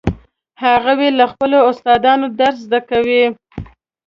هغوی له خپلو استادانو درس زده کوي